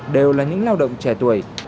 đều là những lao động trẻ tuổi